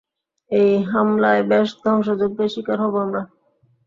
এই হামলায় বেশ ধ্বংসযজ্ঞের শিকার হবো আমরা!